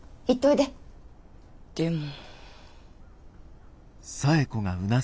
でも。